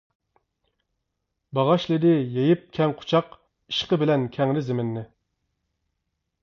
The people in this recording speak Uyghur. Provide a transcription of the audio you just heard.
باغاشلىدى يېيىپ كەڭ قۇچاق، ئىشقى بىلەن كەڭرى زېمىننى.